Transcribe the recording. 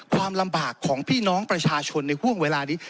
ความลำบากของพี่น้องประชาชนในห่วงเวลานี้